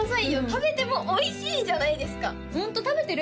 食べてもおいしいじゃないですかホント食べてる？